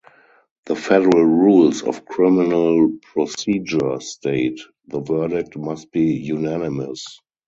The Federal Rules of Criminal Procedure state, The verdict must be unanimous...